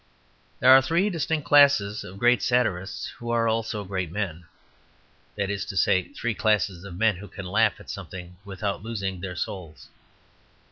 There are three distinct classes of great satirists who are also great men that is to say, three classes of men who can laugh at something without losing their souls.